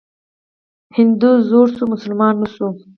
هندو زوړ شو، مسلمان نه شو.